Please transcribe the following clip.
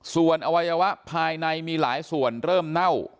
ส่วนอวัยวะภายในมีหลายส่วนเริ่มเน่า